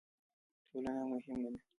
ټولنه مهمه ده.